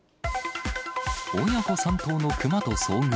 親子３頭の熊と遭遇。